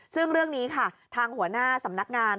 ซึ่งเรื่องนี้ค่ะทางหัวหน้าสำนักงาน